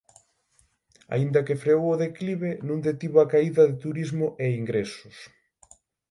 Aínda que freou o declive non detivo a caída de turismo e ingresos.